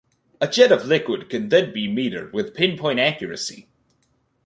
A jet of liquid can then be metered with pinpoint accuracy.